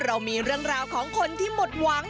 เรามีเรื่องราวของคนที่หมดหวัง